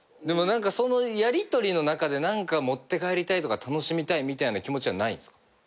でもそのやりとりの中で何か持って帰りたいとか楽しみたいみたいな気持ちはないんすか？